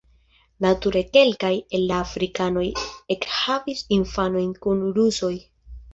Nature kelkaj el la afrikanoj ekhavis infanojn kun rusoj.